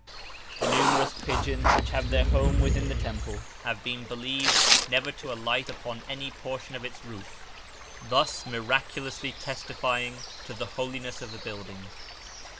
The numerous pigeons which have their home within the temple have been believed never to alight upon any portion of its roof, thus miraculously testifying to the holiness of the building.